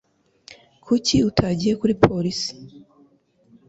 Kuki utagiye kuri polisi